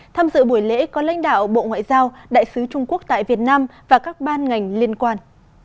tham dự buổi lễ có lãnh đạo bộ ngoại giao đại sứ trung quốc tại việt nam và các ban ngành liên quan